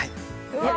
うわ。